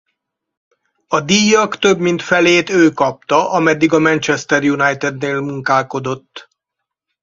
A díjjak több mint felét ő kapta ameddig a Manchester United-nél munkálkodott.